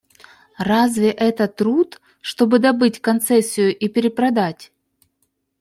Разве это труд, чтобы добыть концессию и перепродать?